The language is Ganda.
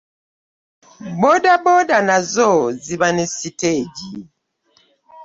Boba boda nazo ziba ne siteegi.